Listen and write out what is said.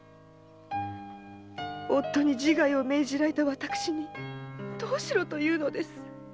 夫に自害を命じられた私にどうしろというのです？